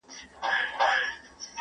هلک چیغه کړه پر مځکه باندي پلن سو-